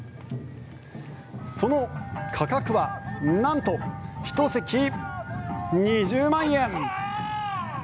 その価格は、なんと１席２０万円。